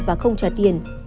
và không trả tiền